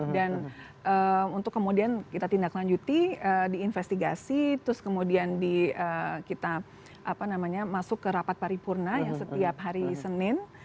dan untuk kemudian kita tindak lanjuti diinvestigasi terus kemudian di kita apa namanya masuk ke rapat paripurna yang setiap hari senin